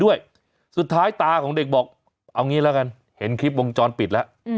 ด้วยสุดท้ายตาของเด็กบอกเอางี้แล้วกันเห็นคลิปวงจรปิดแล้ว